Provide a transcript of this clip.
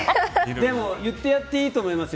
でも言ってやっていいと思います。